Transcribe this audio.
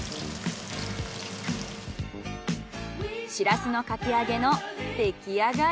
シラスのかき揚げのできあがり。